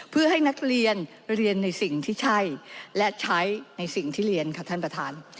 เพื่อให้นักเรียนเรียนในสิ่งที่ใช่และใช้ในสิ่งที่เรียนค่ะท่านประธาน